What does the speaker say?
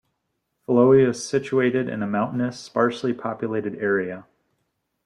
Foloi is situated in a mountainous, sparsely populated area.